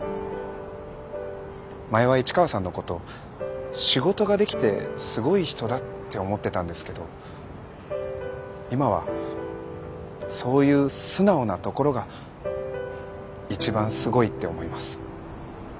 前は市川さんのこと仕事ができてすごい人だって思ってたんですけど今はそういう素直なところが一番すごいって思います。